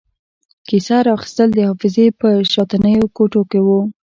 کیسه را اخیستل د حافظې په شاتنیو کوټو کې وو.